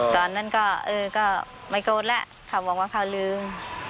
ตอนนั้นก็เออก็ไม่โกรธแล้วเขาบอกว่าเขาลืม